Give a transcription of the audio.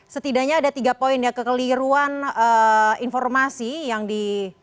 setidaknya ada tiga poin ya kekeliruan informasi yang diberikan pada saat kelompok ini